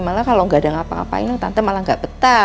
malah kalau nggak ada yang ngapa ngapain tante malah nggak petah